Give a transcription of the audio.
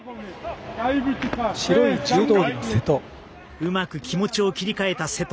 うまく気持ちを切り替えた瀬戸。